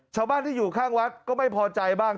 ชาวบ้านที่อยู่ข้างวัดก็ไม่พอใจบ้าง